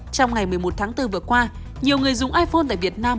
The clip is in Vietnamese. trong ngày một mươi một tháng bốn vừa qua nhiều người dùng iphone tại việt nam